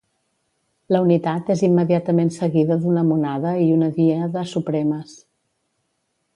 La Unitat és immediatament seguida d'una monada i una díada supremes.